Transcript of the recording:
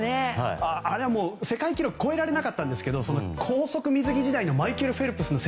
あれは世界記録を超えられなかったんですけど高速水着時代のマイケル・フェルプスの